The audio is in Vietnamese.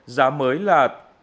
giá mới là sáu mươi tám chín mươi năm